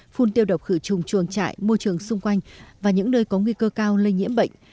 phun tiêu độc khử trùng chuồng trại môi trường xung quanh và những nơi có nguy cơ cao lây nhiễm bệnh